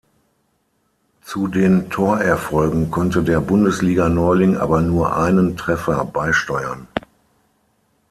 Zu den Torerfolgen konnte der Bundesliga-Neuling aber nur einen Treffer beisteuern.